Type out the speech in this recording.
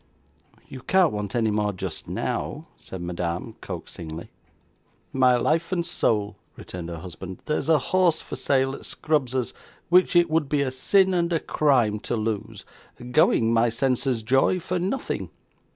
'You can't want any more just now,' said Madame coaxingly. 'My life and soul,' returned her husband, 'there is a horse for sale at Scrubbs's, which it would be a sin and a crime to lose going, my senses' joy, for nothing.